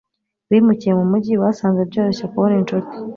bimukiye mu mujyi, basanze byoroshye kubona inshuti